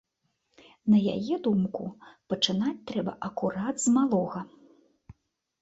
На яе думку, пачынаць трэба акурат з малога.